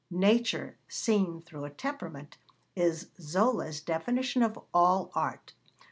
'Nature seen through a temperament' is Zola's definition of all art.